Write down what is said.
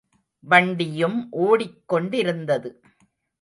வண்டியும் ஒடிக் கொண்டிருந்தது.